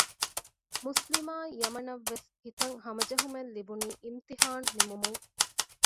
މުސްލިމާއި ޔަމަނަށްވެސް ހިތަށް ހަމަޖެހުމެއްލިބުނީ އިމްތިހާނު ނިމުމުން